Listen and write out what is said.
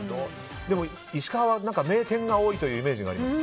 でも、石川は名店が多いというイメージがあります。